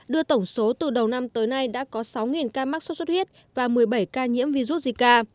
đưa tổng số từ đầu năm tới nay đã có sáu ca mắc sốt xuất huyết và một mươi bảy ca nhiễm virus zika